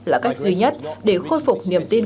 là cách duy nhất để khôi phục niềm tin